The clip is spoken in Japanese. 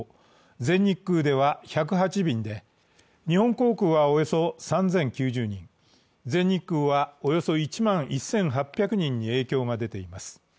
全日空では１０８便で日本航空はおよそ３０９０人、全日空は、およそ１万１８００人に影響が出ています。